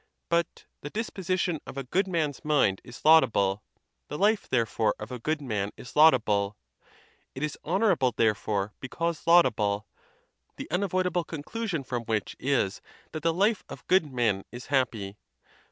But the disposition of a good man's mind is laudable; the life, therefore, of a good man is laudable; it is honorable, therefore, because laudable; the unavoidable conclusion from which is that the life of good men is happy.